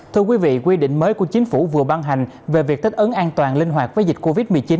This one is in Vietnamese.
thưa quý vị quy định mới của chính phủ vừa ban hành về việc thích ứng an toàn linh hoạt với dịch covid một mươi chín